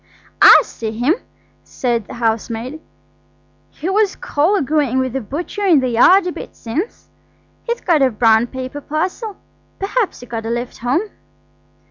"I see him," said the housemaid. "He was colloguing with the butcher in the yard a bit since. He'd got a brown paper parcel. Perhaps he got a lift home."